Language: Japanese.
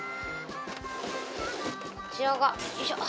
こちらがよいしょ。